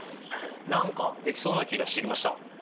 何かできそうな気がしてきました！